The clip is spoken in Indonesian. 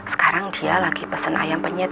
sekarang dia lagi pesen ayam penyet